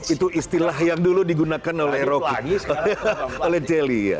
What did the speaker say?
itu istilah yang dulu digunakan oleh celi